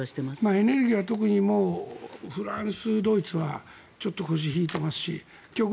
エネルギーは特にフランス、ドイツはちょっと腰引いてますし今日